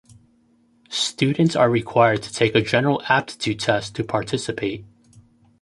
Students are required to take a general aptitude test to participate.